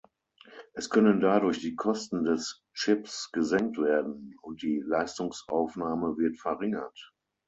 Es können dadurch die Kosten des Chips gesenkt werden, und die Leistungsaufnahme wird verringert.